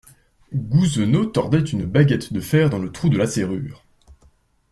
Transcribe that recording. Gousenot tordait une baguette de fer dans le trou de la serrure.